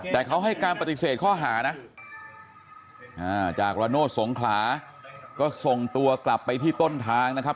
แต่เขาให้การปฏิเสธข้อหานะจากระโนธสงขลาก็ส่งตัวกลับไปที่ต้นทางนะครับ